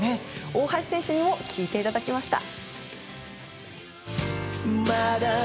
大橋選手にも聴いていただきました。